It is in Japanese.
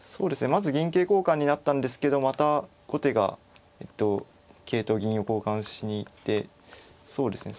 まず銀桂交換になったんですけどまた後手が桂と銀を交換しに行ってそうですね